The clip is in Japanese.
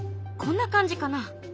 こんな感じかな？